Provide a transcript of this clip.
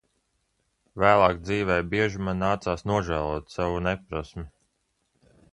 Vēlāk dzīvē bieži man nācās nožēlot savu neprasmi.